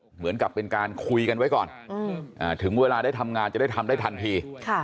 เหมือนกับเป็นการคุยกันไว้ก่อนถึงเวลาได้ทำงานจะได้ทำได้ทันที